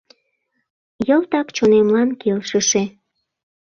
Йылтак чонемлан келшыше.